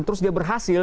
terus dia berhasil